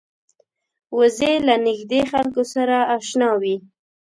وزې له نږدې خلکو سره اشنا وي